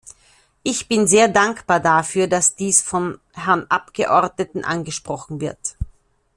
Ich bin sehr dankbar dafür, das dies vom Herrn Abgeordneten angesprochen wird.